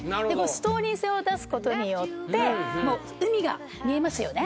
ストーリー性を出すことによって海が見えますよね。